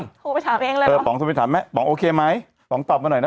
โทรไปถามเองเลยเออป๋องโทรไปถามแม่ป๋องโอเคไหมป๋องตอบมาหน่อยนะ